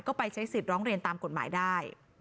ก็ไปใช้สิทธิ์ร้องเรียนตามกฎหมายได้